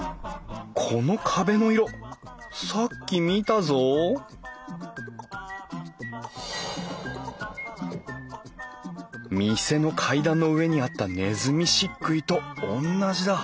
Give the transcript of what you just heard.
この壁の色さっき見たぞ店の階段の上にあったねずみ漆喰とおんなじだ